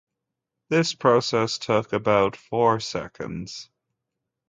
This process took about four seconds.